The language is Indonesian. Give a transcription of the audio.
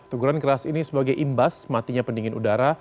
teguran keras ini sebagai imbas matinya pendingin udara